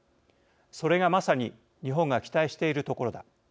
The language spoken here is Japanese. それがまさに日本が期待しているところだ。